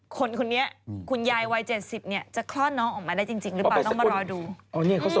คนคุณนี้ขุนยายวัย๗๐จะคลอดน้องออกมาได้จริงหรือเปล่า